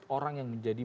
orang yang menjadi